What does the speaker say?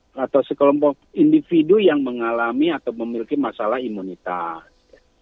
atau sekelompok individu yang mengalami atau memiliki masalah imunitas